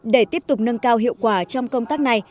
để tiếp tục nâng cao hiệu quả trong công tác này